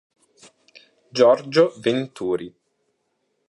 Giorgio Venturi